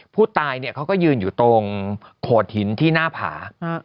ผู้ตายเนี่ยเขาก็ยืนอยู่ตรงโขดหินที่หน้าผา